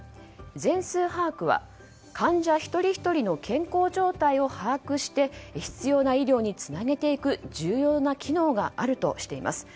全数把握は患者一人ひとりの健康状態を把握して必要な医療につなげていく重要な機能があるとしています。